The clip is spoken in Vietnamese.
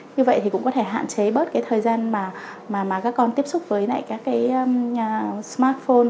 như vậy thì cũng có thể hạn chế bớt cái thời gian mà các con tiếp xúc với lại các cái smartphone